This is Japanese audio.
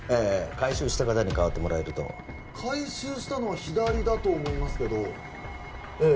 回収した方に代わってもらえると回収したのは左だと思いますけどええ